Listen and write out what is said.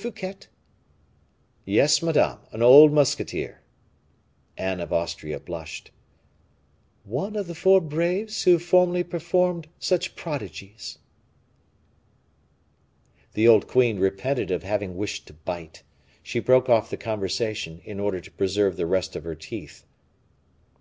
Fouquet?" "Yes, madame; an old musketeer." Anne of Austria blushed. "One of the four braves who formerly performed such prodigies." The old queen repented of having wished to bite; she broke off the conversation, in order to preserve the rest of her teeth.